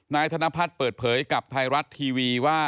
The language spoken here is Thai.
ธนพัฒน์เปิดเผยกับไทยรัฐทีวีว่า